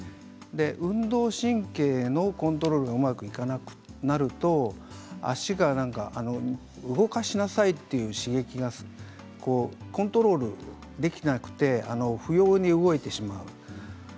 運動神経のコントロールがうまくいかなくなると脚が動かしなさいという刺激がコントロールできなくて不要に動いてしまう。